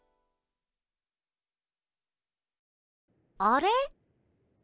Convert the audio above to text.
あれ？